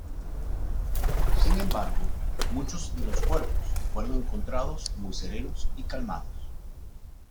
Sin embargo, muchos de los cuerpos fueron encontrados muy serenos y calmados.